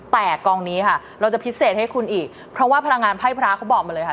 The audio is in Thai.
แต่กองนี้ค่ะเราจะพิเศษให้คุณอีกเพราะว่าพลังงานไพ่พระเขาบอกมาเลยค่ะ